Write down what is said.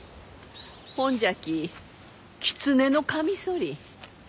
ほんじゃきキツネノカミソリ。